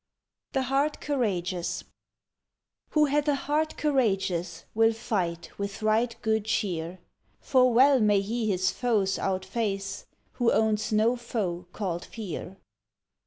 THE HEART COURAGEOUS Who hath a heart courageous Will fight with right good cheer; For well may he his foes out face Who owns no foe called Fear!